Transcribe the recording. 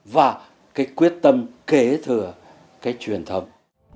và cái quyết tâm kế thừa cái truyền thống